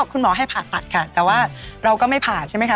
คุณหมอให้ผ่าตัดค่ะแต่ว่าเราก็ไม่ผ่าใช่ไหมคะ